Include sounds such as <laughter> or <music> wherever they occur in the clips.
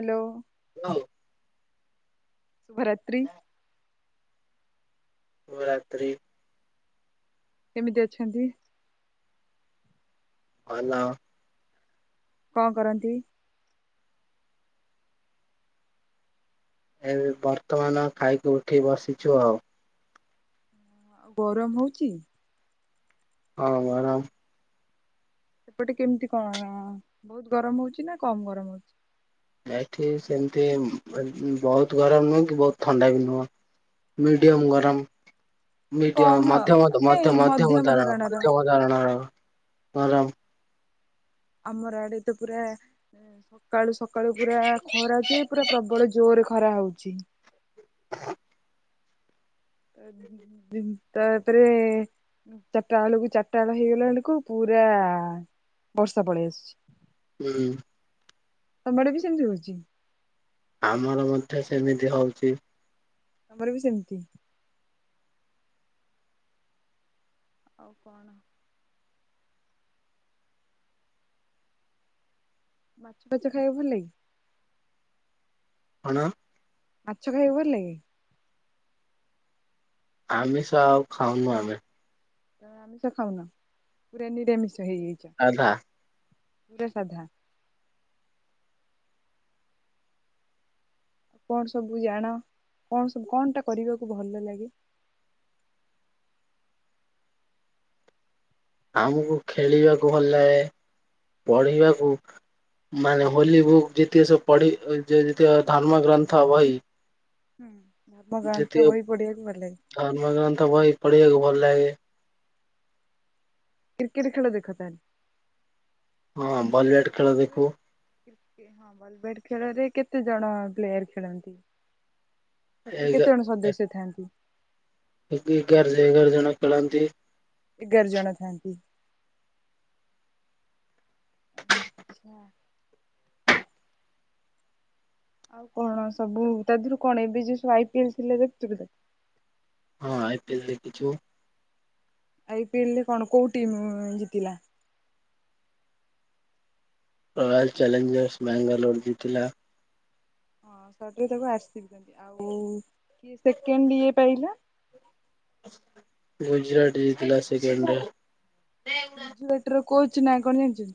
Hello. Hello. ଶୁଭରାତ୍ରି। ଶୁଭରାତ୍ରି। କେମିତି ଅଛନ୍ତି? ଭଲ। କଣ କରନ୍ତି? ଏବେ ବର୍ତ୍ତମାନ ଖାଇକି ଉଠି ବସିଛୁ ଆଉ। ଗରମ୍ ହୋଉଚି? ଅ ଗରମ୍। ସେପଟେ କେମତି କଣ ବହୁତ୍ ଗରମ୍ ହୋଉଚି ନା କମ୍ ଗରମ୍ ହୋଉଚି? ଏଇଠି ସେମତିି ଏ ବହୁତ୍ ଗରମ୍ ନୁହଁ କି ବହୁତ ଥଣ୍ଡା ବି ନୁହଁ। ମିଡିଅମ ଗରମ କମ ମିଡିଅମ ଆଉ ମଧ୍ୟମତ୍ ମାନେ ମଧ୍ୟ ମଧ୍ୟ ମଧ୍ୟମ ମତାର ଧରଣର ମଧ୍ୟମତ୍ ଧରଣର ଗରମ୍। ଆମର୍ ଆଡ଼େ ତ ପୁରା ଏ ସ ସକାଳୁ ସକାଳୁ ପୁରା ଖରା ଯେ ପୁରା ପ୍ରବଳ ଜୋର୍ ରେ ଖରା ହୋଉଚି। <inaudible> ଦିନ୍ ତାପରେ ଚାରଟା ବେଳକୁ ଚାରଟା ବେଳ ହେଇଗଲା ବେଳକୁ ପୁରା ବର୍ଷା ପଳେଇ ଆସୁଚି। କରିବୁ। ତମ ଆଡ଼େ ବି ସେମତି ହୋଉଚି? ଆମର ମଧ୍ୟ ସେମିତି ହୋଉଚି। ଆମର ବି ସେମିତି। ଆଉ କଣ? ମାଛ ଫାଚ ଖାଇବାକୁ ଭଲ୍ ଲାଗେ? କଣ? ମାଛ ଖାଇଆକୁ ଭଲ ଲାଗେ। ଆମିଷ ଆଉ ଖାଉନୁ ଆମେ। ଆମିଷ ଖାଉନ ପୁରା ନିରାମିଷ ହେଇଯାଇଚ। ସାଧା। ପୁରା ସାଧା। କଣ୍ ସବୁ ଯାଣ କଣ୍ ସବୁ କଣ୍ ଟା କରିବାକୁ ଭଲ ଲାଗେ। ଆମୁକୁ ଖେଳିବାକୁ ଭଲ ଲାଗେ ପଢ଼ିବାକୁ। ମାନେ ହୋଲି ବୁକ୍ ଯେତିକ ସବୁ ପଢ଼ି ଯେ ଯେତିକ ଧର୍ମ ଗ୍ରନ୍ଥ ବହି। ହୁଁ ଧର୍ମ ଗ୍ରନ୍ଥ ଯେତିକ ବହି ପଢ଼ିବାକୁ ଭଲ ଲାଗେ। ଧର୍ମଗ୍ରନ୍ଥ ବହି ପଢ଼ିବାକୁ ଭଲ ଲାଗେ। କ୍ରିକେଟ୍ ଖେଳ ଦେଖ ତାହେଲେ। ହଁ ବଲ୍ ବ୍ୟାଟ୍ ଖେଳ ଦେଖୁ। କ୍ରିକେଟରେ ହଁ ବଲ ବ୍ୟାଟ ଖେଳରେ କେତେ ଜଣ ପ୍ଲେୟାର ଖେଳନ୍ତି। କେତେ ଏଗା ଜଣ ସଦ୍ୟସ୍ୟ ଥାଆନ୍ତି। ଏ ବି ଏଗାର୍ ଯେ ଏଗାର ଜଣ ଖେଳନ୍ତି। ଏଗାର୍ ଜଣ ଥାଆନ୍ତି। ହଁ। କଣ ସବୁ ତା ଦେହରୁ କଣ ଏବେ ଯୋଉ ସବୁ ଆଇ ପିଏଲ୍ ଥିଲା ଦେଖିଥିଲୁ କି ତୁ? ହଁ ଆଇ ପିଏଲ୍ ଦେଖିଚୁ। ଆଇ ପିଏଲ୍ ରେ କଣ କୋଉ ଟିମ୍ ଉ ଜିତିଲା। ରୟାଲ ଚ୍ୟାଲେଞ୍ଜର୍ସ ବାଙ୍ଗାଲୋର ଜିତିଲା। <unintelligible> ଆଉ କିଏ ସେକେଣ୍ଡ ଇଏ ପାଇଲା ଗୁଜୁରାଟ ଜିତିଲା ସେକେଣ୍ଡରେ ଗୁଜୁରାଟର କୋଚ୍ ନାଁ କଣ ଜାଣିଛନ୍ତି?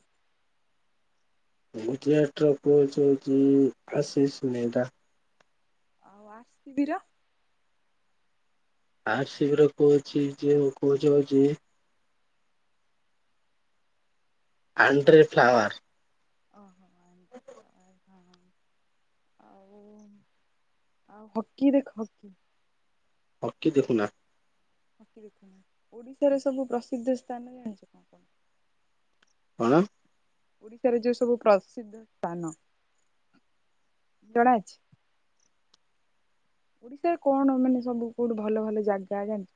ଗୁଜୁରାଟର କୋଚ୍ ହଉଛି ଆଶିଷ ମେହେତା। ଆଉ ଆର୍ ସି ବି ର। ଆର୍ ଶି ବି ର କୋଚ୍ ହଉଛି ଯେ କୋଚ୍ ହଉଛି ଆଣଟ୍ରେ ଫ୍ଲାୱାର। ଓହୋ। ଆଉ ଆଉ ହକି ଦେଖ ହକି। ହକି ଦେଖୁନା ହକି ଦେଖୁନା, ଓଡିଶାର ସବୁ ପ୍ରସିଦ୍ଧ ସ୍ଥାନ ଜାଣିଛ କଣ କଣ? କଣ? ଓଡିଶାର ଯୋଉ ସବୁ ପ୍ରସିଦ୍ଧ ସ୍ଥାନ ଜଣା ଅଛି? ଓଡ଼ିଶାରେ କଣ ମାନେ ସବୁ କୋଉଠୁ ଭଲ ଭଲ ଜାଗା ଜାଣିଛ।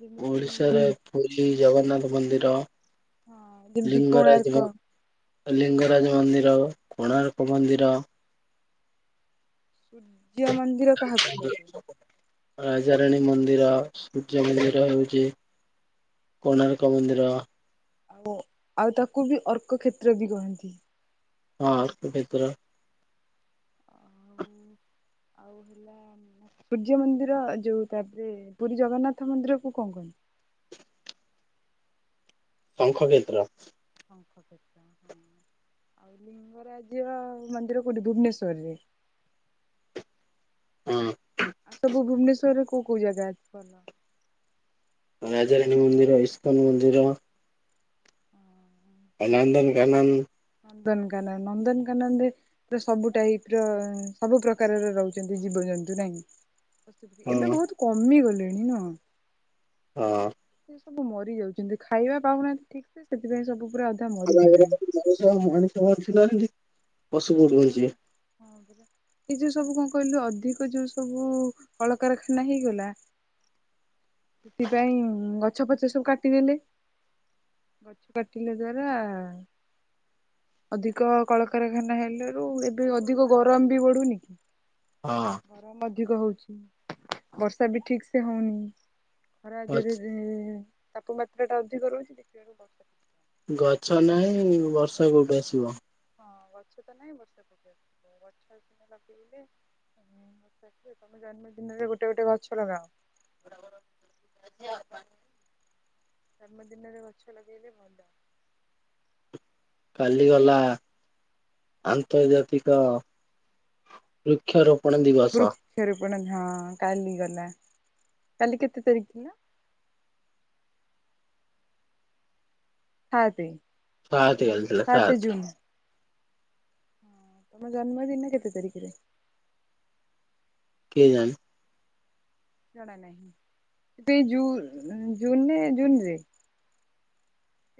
ଯେମିତି ଓଡିଶାରେ ପୁରୀ ଜଗନ୍ନାଥ ମନ୍ଦିର, ହଁ ଯେମିତି କୋଣାର୍କ ଲିଙ୍ଗରାଜ ମ ଲିଙ୍ଗରାଜ ମନ୍ଦିର, କୋଣାର୍କ ମନ୍ଦିର ଜିଓ ମନ୍ ରାଜାରାଣୀ ମନ୍ଦିର, ସୂର୍ଯ୍ୟ ମନ୍ଦିର ହଉଛି କୋଣାର୍କ ମନ୍ଦିର ବୋ ଆଉ ତାକୁ ବି ଅର୍କ କ୍ଷେତ୍ର ବି କହନ୍ତି। ହଁ ଅର୍କ କ୍ଷେତ୍ର। ଆଉ ଆଉ ହେଲା ସୂର୍ଯ୍ୟ ମନ୍ଦିର ଯୋଉ ତାପରେ ପୁରୀ ଜଗନ୍ନାଥ ମନ୍ଦିରକୁୁ କଣ କହନ୍ତି? ଶଙ୍ଖ କ୍ଷେତ୍ର। ଶଙ୍ଖ କ୍ଷେତ୍ର ହଁ ଆଉ ଲିଙ୍ଗରାଜ ମନ୍ଦିର କୋଉଠି ଭୁବନେଶ୍ଵରରେ? ହଁ। ଆଉ ସବୁ ଭୁବନେଶ୍ଵରରେ କୋଉ କୋଉ ଜାଗା ଅଛି ଭଲ? ରାଜାରଣୀ ମନ୍ଦିର, ଇସ୍କନ ମନ୍ଦିର ନନ୍ଦନକାନନ। ନନ୍ଦନକାନନ ନନ୍ଦନକାନନ ରେ ତ ସବୁ ଟାଇପ୍ ର ସବୁ ପ୍ରକାରର ରହୁଛନ୍ତି ଜୀବଜନ୍ତୁ ନାହିଁ ଏବେ ହଁ ବହୁତ କମିଗଲେଣି ନୁହଁ? ହଁ। ସେ ସବୁ ମରି ଯାଉଛନ୍ତି ଖାଇବା ପାଉନାହାନ୍ତି ଠିକ୍ ସେ ସେଥିପାଇଁ ସବୁ ପୁରା ଅଧା ମରିଗଲେଣି। ପରା <unintelligible> ହଁ ପରା। ଏଇ ଯୋଉ ସବୁ କଣ କହିଲ ଅଧିକ ଯୋଉ ସବୁ କଳକାରଖାନା ହେଇଗଲା ସେଥିପାଇଁ ଗଛ ଫଛ ସବୁ କାଟିନେଲେ ଗଛ କାଟିଲା ଦ୍ଵାରା ଅଧିକ କଳକାରଖାନା ହେଲାରୁ ଏବେ ଅଧିକ ଗରମ ବି ବଢ଼ୁନି କି? ହଁ। ଗରମ ଅଧିକ ହଉଛି ବର୍ଷା ବି ଠିକ୍ ସେ ହଉନି। ଖରା ହଁ। <unintelligible> ତାପମାତ୍ରାଟା ଅଧିକ ରହୁଛି ଦେଖିଲା ବେଳକୁ ବର୍ଷା ଗଛ ନାହିଁ ବର୍ଷା କୋଉଠୁ ଆସିବ? ହଁ ଗଛ ତ ନାହିଁ <unintelligible> ତମେ ଜନ୍ମଦିନରେ ଗୋଟେ ଗୋଟେ ଗଛ ଲଗାଅ। <unintelligible> ଜନ୍ମଦିନରେ ଗଛ ଲଗେଇଲେ ଭଲ। କାଲି ଗଲା ଆନ୍ତର୍ଜାତିକ ବୃକ୍ଷ ରୋପଣ ଦିବସ। ବୃକ୍ଷରୋପଣ ହଁ କାଲି ଗଲା କାଲି କେତେ ତାରିଖ ଥିଲା? ସାତେ ସାତେ କାଲିଥିଲା ସାତେ ସାତ ଜୁନ ହଁ ତମ ଜନ୍ମଦିନ କେତେ ତାରିଖରେ? କିଏ ଜାଣି? ଜଣା ନାହିଁ ତୁ ଏଇ ଜୁନ୍ ଜୁନ ରେ ଜୁନ ରେ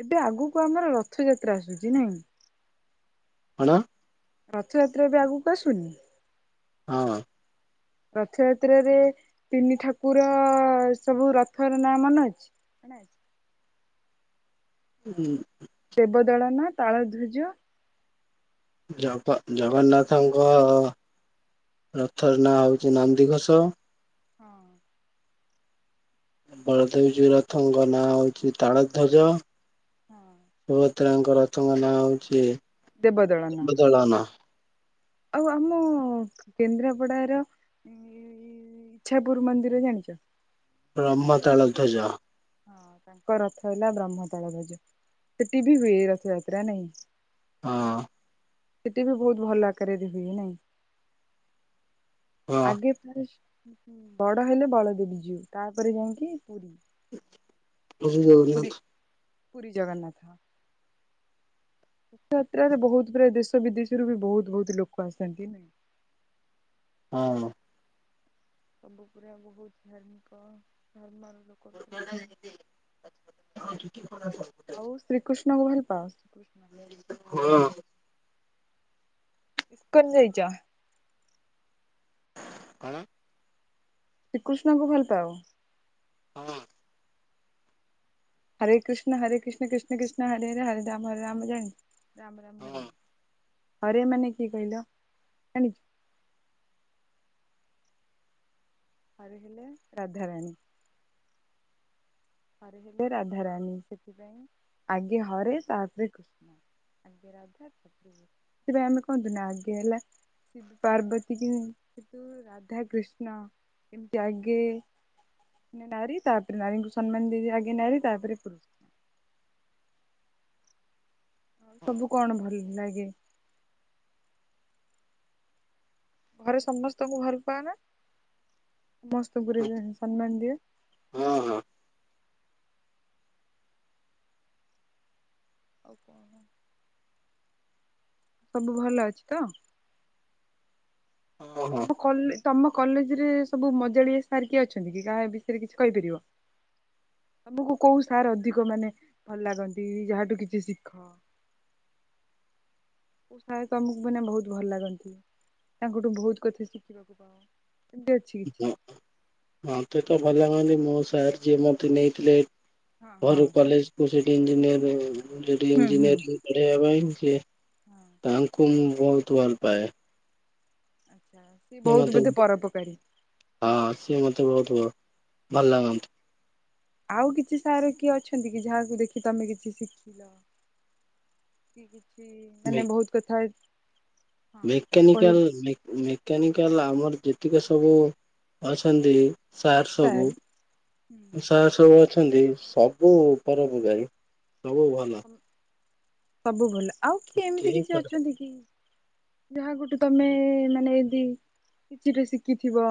ଏବେ ଆଗକୁ ଆମର ରଥଯାତ୍ରା ଆସୁଛି ନାଇଁ କଣ? ରଥଯାତ୍ରା ଏବେ ଆଗକୁ ଆସୁନି? ହଁ। ରଥଯାତ୍ରାରେ ତିନି ଠାକୁର ସବୁ ରଥର ନାଁ ମନେଅଛି ହୁଁ ଦେବଦଳନା ତାଳଧ୍ୱଜ ଜଗ ଜଗନ୍ନାଥଙ୍କ ରଥର ନାଁ ହଉଛି ନନ୍ଦିଘୋଷ। ହଁ। ବଳଦେବଜୀଉ ରଥଙ୍କ ନାଁ ହଉଛି ତାଳଧ୍ୱଜ ହଁ ଶୁଭ ତ୍ରା ଙ୍କ ରଥଙ୍କ ନାଁ ହଉଛି ଦେବଦଳନ ଦେବଦଳନ। ଆଉ ଆମ କେନ୍ଦ୍ରାପଡାର ଏଇ ଇଚ୍ଛାପୁର ମନ୍ଦିର ଜାଣିଚ? ବ୍ରହ୍ମ ତାଳଧ୍ୱଜ ହଁ ତାଙ୍କ ରଥ ହେଲା ବ୍ରହ୍ମ ତାଳଧ୍ୱଜ ସେଠି ବି ହୁଏ ରଥଯାତ୍ରା ନାଁଇ। ହଁ। ସେଠି ବି ବୋହୁତ ଭଲ ଆକାରରେ ହୁଏ ନାଇଁ ହଁ ଆଗେ ବଡ ହେଲେ ବଳଦେବଜୀଉ ତାପରେ ଯାଇକି ପୁରି ପୁରି ଜଗନ୍ନାଥ ପୁରି ଜଗନ୍ନାଥ ଯାତ୍ରାରେ ବୋହୁତ ପ୍ରାୟ ଦେଶ ବିଦେଶରୁ ବି ବୋହୁତ ବୋହୁତ ଲୋକ ଆସନ୍ତି ନାଇଁ। ହଁ। ସବୁ ପୁରା ବୋହୁତ ଧାର୍ମିକ ନର୍ମାଲ ଲୋ କରୁଥିବା ହେତୁ ଆଉ ଶ୍ରୀକୃଷ୍ଣଙ୍କୁ ଭଲ ପାଅ? ହଁ। ଇସ୍କନ ଯାଇଚ? କଣ? ଶ୍ରୀକୃଷ୍ଣଙ୍କୁ ଭଲ ପାଅ? ହଁ। ହରେ କୃଷ୍ଣ ହରେ କୃଷ୍ଣ କୃଷ୍ଣ କୃଷ୍ଣ ହରେ ହରେ ହରେ ରାମ ହରେ ରାମ ରାମ ଜାଣି ରାମ ରାମ ହଁ ହରେ ହଁ ହରେ ମାନେ କିଏ କହିଲ ଜାଣଚ? ହରେ ହେଲେ ରାଧାରାଣୀ। ହରେ ହେଲେ ରାଧାରଣୀ ସେଥିପାଇଁ ଆଗେ ହରେ ତାପରେ କୃଷ୍ଣ ଆଗେ ରା ସେଥିପାଇଁ ଆମେ କହନ୍ତି ନା ଆଗେ ହେଲା ଶିବ ପାର୍ବତୀ କି ରାଧା କୃଷ୍ଣ ଏମିତି ଆଗେ ନାରୀ ତାପରେ ନାରୀଙ୍କୁ ସମ୍ମାନ ଦେଇକି ଆଗ ନାରୀ ତାପରେ ପୁରୁଷ। ଆଉ ସବୁ କଣ ଭଲ ଲାଗେ? ଘରେ ସମସ୍ତଙ୍କୁ ଭଲ ପାଆ ନା? ସମସ୍ତ ଗୁରୁଜନ ସମ୍ମାନ ଦିଏ। ହଁ ହଁ। ଆଉ କଣ? ସବୁ ଭଲ ଅଛି ତ? ହଁ ଭଲ। ତମ କଲେ ତମ କଲେଜରେ ସବୁ ମଜାଳିଆ ସାର୍ କିଏ ଅଛନ୍ତି କି କାହା ବିଷୟରେ କିଛି କହିପାରିବ? ଆମକୁ କୋଉ ସାର୍ ଅଧିକ ମାନେ ଭଲ ଲାଗନ୍ତି, ଯାହାଠୁ କିଛି ଶିଖ? କୋଉ ସାର୍ ତୁମକୁ ମାନେ ବୋହୁତ ଭଲ ଲାଗନ୍ତି, ତାଙ୍କଠୁ ବୋହୁତ କଥା ଶିଖିବାକୁ ପାଅ। ଏମିତି ଅଛି କିଛି <inaudible> ମତେ ତ ଭଲାଗନ୍ତି ମୋ ସାର୍ ଯିଏ ମତେ ନେଇଥିଲେ ହଁ ହଁ ଘରୁ କଲେଜକୁ ସେଠି ଇଞ୍ଜିନିୟର ସେଠି ହୁଁ ହୁଁ ହଁ। ଇଞ୍ଜିନିୟରିଂ ପଢେଇବା ପାଇଁ ସିଏ ତାଙ୍କୁୁ ମୁଁ ବୋହୁତ ଭଲ ପାଏ। ଆଚ୍ଛା ସେ ସିଏ ବୋହୁତ ମତେ ବୋଧେ ପର‌ଉପକାରୀ। ହଁ ସିଏ ମତେ ବୋହୁତ ଭ-ଭଲ ଲାଗନ୍ତି। ଆଉ କିଛି ସାର୍ କିଏ ଅଛନ୍ତି କି ଯାହାକୁ ଦେଖି ତମେ କିଛି ଶିଖିଲ? କିଏ କିଛି ମାନେ ବୋହୁତ କରିଥାଏ। <inaudible> ମେକାନିକାଲ୍ ମେ-ମେକାନିକାଲ୍ ଆମର ଯେତିକି ସବୁ ଅଛନ୍ତି। ସାର୍ ସବୁ ସାର୍ ସବୁ ଅଛନ୍ତି ସବୁ ପରଉପକାରୀ ସବୁ ଭଲ। ସବୁ ଭଲ ଆଉ କିଏ ଏମିତି କେହି କିଛି ଖରାପ ଅଛନ୍ତି କି? ଯାହାଙ୍କ ଟୁ ତମେ ମାନେ ଏଦି କିଚିଟା ଶିଖିଥିବ?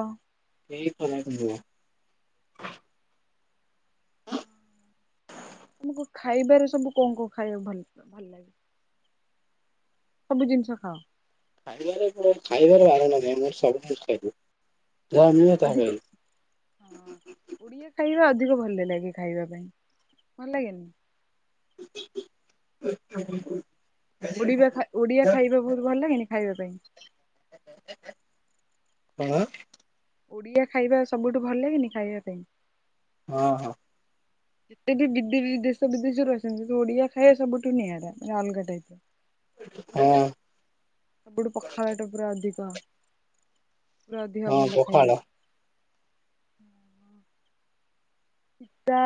<unintelligible> ତମକୁ ଖାଇବାରେ ସବୁ କଣ କଣ ଖାଇବାକୁ ଭଲ ଭଲ ଲାଗେ? ସବୁ ଜିନିଷ ଖାଅ? ଖାଇବାରେ ଖାଇବବେରେ ବାରଣ ନହିଁ ମୋର ସବୁ କିଛି ଖାଇଦୀଏ। ଅଧିକ ଓଡ଼ିଆ ଖାଇବା ଅଧିକ ଭଲ ଲାଗେ ଖାଇବା ପାଇଁ। ଭଲ ଲାଗେନି? <unintelligible> ଉଡିବା ଖା ଓଡିଆ ଖାଇବା ବହୁତ ଭଲ ଲାଗେନି ଖାଇବା ପାଇଁ? କଣ? ଓଡ଼ିଆ ଖାଇବା ସବୁଠୁ ଭଲ ଲାଗେନି ଖାଇବା ପାଇଁ? ହଁ ହଁ। ଯେତେ ବିଦୀ ବିଦେଶ ଦେଶ ବିଦେଶରୁ ଅଛନ୍ତି ଓଡିଆ ଖାଇବା ସବୁଠୁ ନିଆରା ମାନେ ଅଲଗା ଟାଇପ। ହଁ। ସବୁଠୁ ପଖାଳ ଟା ପୁରା ଅଧିକ ପୁରା ଅଧିକ ହଁ ଭଲ ପଖାଳ ଖାଇବା। ସୀତା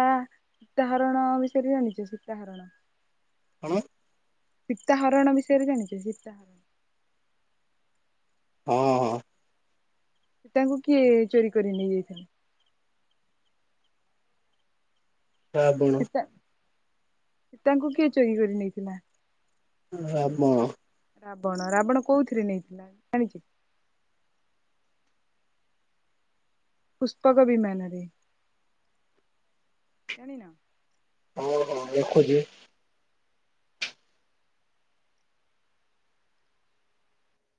ସୀତାହରଣ ବିଷୟରେ ଜାଣିଚ ସୀତା ହରଣ? କଣ? ସୀତାହରଣ ବିଷୟରେ ଜାଣିଚ? ସୀତା ହଁ ହଁ। ସୀତା ଙ୍କୁ କିଏ ଚୋରି କରି ନେଇଯାଇଥିଲା? ଶ୍ରାବଣ ସୀତା ସୀତାଙ୍କୁ କିଏ ଚୋରି କରି ନେଇଥିଲା? ରାବଣ। ରାବଣ, ରାବଣ କୋଉଥିରେ ନେଇଥିଲା ଜାଣିଚ? ପୁସ୍ତକ ବିମାନ ରେ। ଜାଣିନ? ହଁ ହଁ ଲେଖୁଚି।